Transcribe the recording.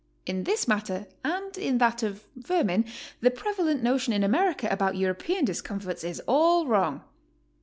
In this matter and in that of vermin, the prevalent notion in America about European discomforts is all wrong.